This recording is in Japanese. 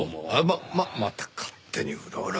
あっままた勝手にうろうろ。